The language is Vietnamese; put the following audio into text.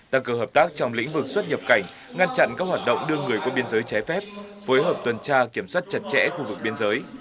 tăng cường hợp tác trong lĩnh vực xuất nhập cảnh ngăn chặn các hoạt động đưa người qua biên giới trái phép phối hợp tuần tra kiểm soát chặt chẽ khu vực biên giới